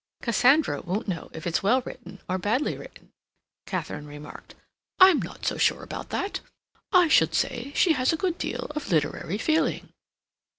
"Cassandra won't know if it's well written or badly written," Katharine remarked. "I'm not so sure about that. I should say she has a good deal of literary feeling."